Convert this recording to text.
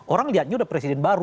orang lihatnya udah presiden baru